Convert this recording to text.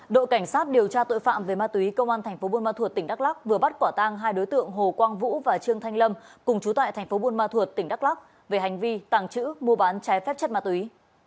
đội cảnh sát điều tra tội phạm về ma túy công an tp bun ma thuột tỉnh đắk lắk vừa bắt quả tang hai đối tượng hồ quang vũ và trương thanh lâm cùng chú tại tp bun ma thuột tỉnh đắk lắk về hành vi tàng chữ mua bán trái phép chất ma túy